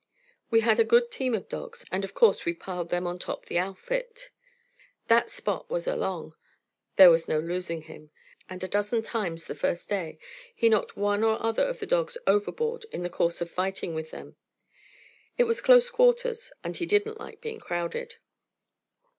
We had a good team of dogs, and of course we piled them on top the outfit. That Spot was along there was no losing him; and a dozen times, the first day, he knocked one or another of the dogs overboard in the course of fighting with them. It was close quarters, and he didn't like being crowded.